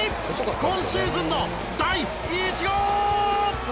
今シーズンの第１号！